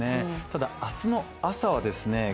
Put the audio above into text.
ただ、あすの朝はですね